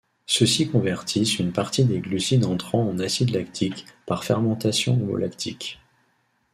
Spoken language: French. Ceux-ci convertissent une partie des glucides entrant en acide lactique par fermentation homolactique.